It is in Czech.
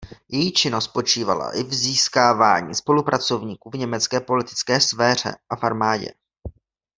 Její činnost spočívala i v získávání spolupracovníků v německé politické sféře a armádě.